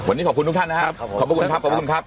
วันนี้ขอบคุณทุกท่านนะครับขอบคุณนะครับขอบคุณครับ